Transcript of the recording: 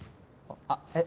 あっえっ？